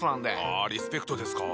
あリスペクトですか。